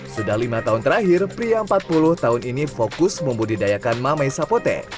sudah lima tahun terakhir pria empat puluh tahun ini fokus membudidayakan mamai sapote